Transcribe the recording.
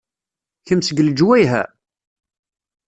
Kemm seg lejwayeh-a?